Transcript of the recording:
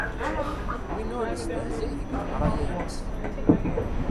Win ur nestehzay deg leqray-ines.